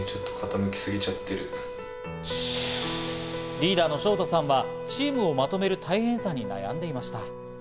リーダーのショウタさんはチームをまとめる大変さに悩んでいました。